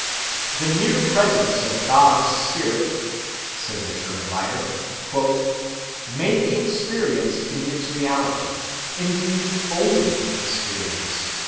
"The near presence of God's spirit," says a German writer,(32) "may be experienced in its reality—indeed only experienced.